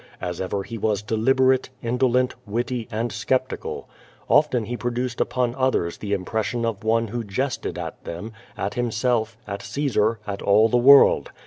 As ever he was deliberate, indolent, witty and sceptical. Often he ])roduced upon others the im pression of one who jested at tliem, at himself, at Caesar, at all tlie world.